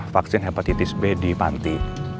vaksin hepatitis b di panti